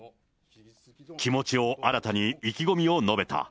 気持ちを新たに、意気込みを述べた。